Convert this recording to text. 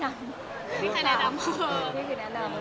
นี่คือน้ำ